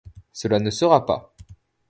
Cela ne sera pas.